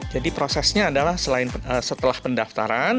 jadi prosesnya adalah setelah pendaftaran